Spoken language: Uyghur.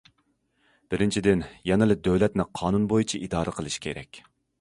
بىرىنچىدىن، يەنىلا دۆلەتنى قانۇن بويىچە ئىدارە قىلىش كېرەك.